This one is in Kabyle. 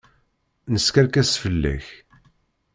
Neskerkes fell-ak.